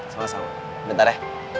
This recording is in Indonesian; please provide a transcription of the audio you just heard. sama sama bentar ya